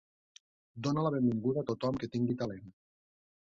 Dona la benvinguda a tothom que tingui talent.